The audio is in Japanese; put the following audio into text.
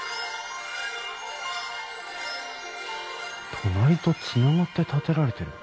隣とつながって建てられてる。